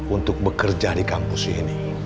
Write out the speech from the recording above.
untuk bekerja di kampus ini